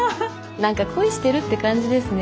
何か恋してるって感じですね。